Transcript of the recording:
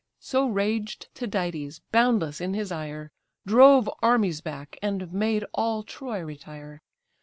So raged Tydides, boundless in his ire, Drove armies back, and made all Troy retire.